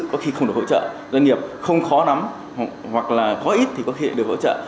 doanh nghiệp không khó nắm hoặc là khó ít thì có khi được hỗ trợ